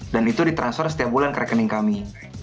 dan itu ditransfer setiap bulan ke rekening kami